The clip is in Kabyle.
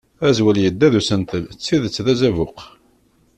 Azwel yedda d usentel d tidet d azabuq.